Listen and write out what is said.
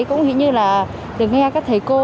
cũng như là được nghe các thầy cô